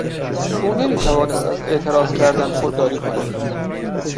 او نمیتوانست از اعتراض کردن خودداری کند.